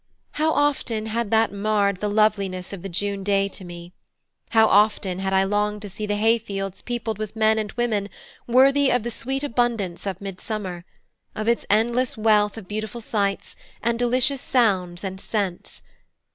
How often had that marred the loveliness of the June day to me; how often had I longed to see the hay fields peopled with men and women worthy of the sweet abundance of midsummer, of its endless wealth of beautiful sights, and delicious sounds and scents.